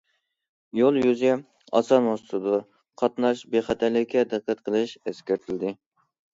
يول يۈزى ئاسان مۇز تۇتىدۇ، قاتناش بىخەتەرلىكىگە دىققەت قىلىش ئەسكەرتىلدى.